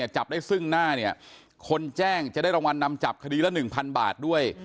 จับได้ซึ่งหน้าเนี่ยคนแจ้งจะได้รางวัลนำจับคดีละ๑๐๐บาทด้วย